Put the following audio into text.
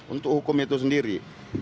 untuk hukum itu sendiri